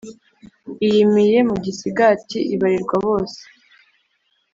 Iyimiye mu gisigati ibarirwa bose.